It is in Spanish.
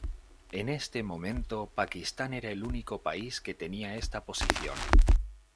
En ese momento, Pakistán era el único país que tenía esta posición.